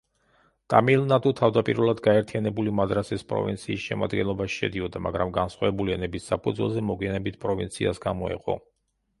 ტამილნადუ თავდაპირველად გაერთიანებული მადრასის პროვინციის შემადგენლობაში შედიოდა, მაგრამ განსხვავებული ენების საფუძველზე მოგვიანებით პროვინციას გამოეყო.